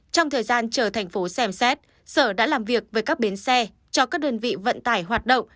trong thời gian chờ thành phố xem xét sở đã làm việc với các bến xe cho các đơn vị vận tải hoạt động